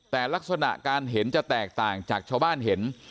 แต่ลักษณะการเห็นจะแตกต่างจากชาวบ้านเห็น